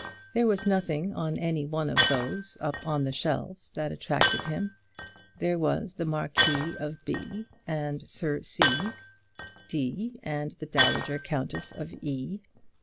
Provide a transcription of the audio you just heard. There was nothing on any one of those up on the shelves that attracted him. There was the Marquis of B , and Sir C. D , and the Dowager Countess of E